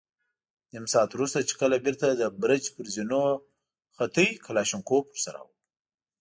نيم ساعت وروسته چې کله بېرته د برج پر زينو خوت، کلاشينکوف ور سره و.